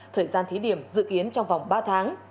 thời gian thí điểm dự kiến trong vòng ba tháng